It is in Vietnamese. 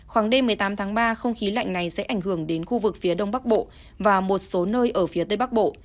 khoảng đêm một mươi tám tháng ba không khí lạnh này sẽ ảnh hưởng đến khu vực phía đông bắc bộ và một số nơi ở phía tây bắc bộ